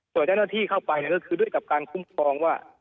ส่วนที่เข้าไปก็คือด้วยกับการคุ้มครองว่า